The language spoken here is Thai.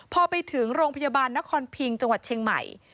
พอไปถึงโรงพยาบาลนครพิงจังหวัดเชียงใหม่